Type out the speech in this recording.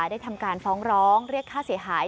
ได้ทำการฟ้องร้องเรียกค่าเสียหาย